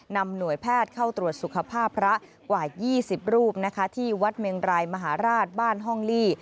นำหน่วยแพทย์เข้าตรวจสุขภาพพระกว่า๒๐รูปนะคะที่วัดเมงรายมหาราชบ้านห้องลี่